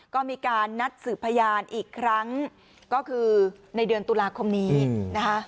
ก็มีการนัดสืบพยานอีกครั้งก็คือในเดือนตุลาคมนี้นะคะ